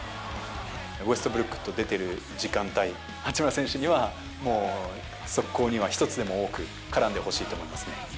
ウェストブルックと出ている時間帯、八村選手には、もう、速攻には一つでも多く絡んでほしいと思いますね。